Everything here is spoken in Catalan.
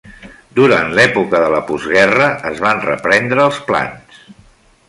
Durant l'època de la postguerra, es van reprendre els plans.